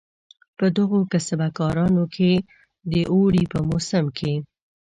په دغو کسبه کارانو کې د اوړي په موسم کې.